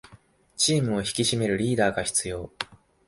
チームを引き締めるリーダーが必要